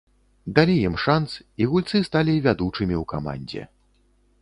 Далі ім шанц, і гульцы сталі вядучымі ў камандзе.